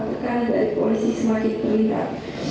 tekanan dari koalisi semakin terlihat